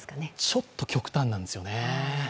ちょっと極端なんですよね。